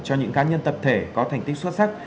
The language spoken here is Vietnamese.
cho những cá nhân tập thể có thành tích xuất sắc